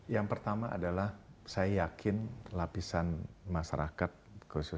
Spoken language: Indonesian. yang pertama adalah saya yakin lapisan masyarakat khususnya